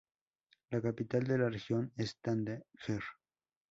La capital de la región es Tánger.